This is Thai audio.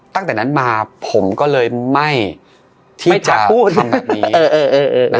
ตั้งแต่นั้นมาผมก็เลยไม่ที่จะพูดแบบนี้